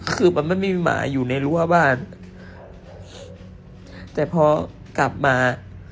คือมันไม่มีหมาอยู่ในรั้วบ้านแต่พอกลับมา